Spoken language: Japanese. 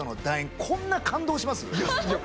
こんな感動します？